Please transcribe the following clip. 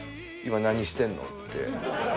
今何してんのって。